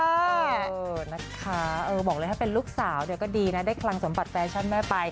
เออนะคะบอกเลยถ้าเป็นลูกสาวเนี่ยก็ดีนะได้คลังสมบัติแฟชั่นแม่ไป